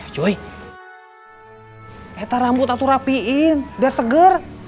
cuy etar rambut atur rapiin biar seger